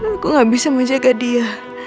aku gak bisa menjaga dia